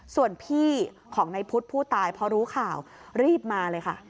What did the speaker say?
ส่วนพี่ของในพุทธผู้ตายพอรู้ข่าวรีบมาเลยค่ะ